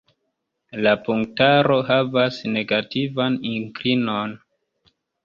La punktaro havas negativan inklinon.